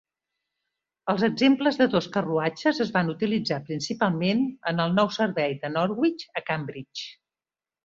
Els exemples de dos carruatges es van utilitzar principalment en el nou servei de Norwich a Cambridge.